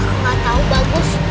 kak aku enggak tahu bagus